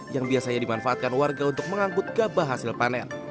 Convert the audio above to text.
yang biasanya dimanfaatkan warga untuk mengangkut gabah hasil panen